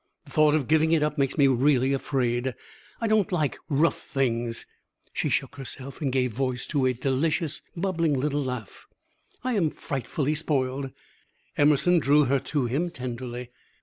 The thought of giving it up makes me really afraid. I don't like rough things." She shook herself and gave voice to a delicious, bubbling little laugh. "I am frightfully spoiled." Emerson drew her to him tenderly.